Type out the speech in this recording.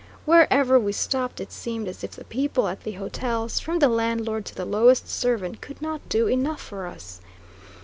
Wherever we stopped, it seemed as if the people at the hotels, from the landlord to the lowest servant, could not do enough for us.